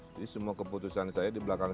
jadi semua keputusan saya di belakang